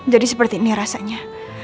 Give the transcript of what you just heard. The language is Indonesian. jadi seperti ini rasanya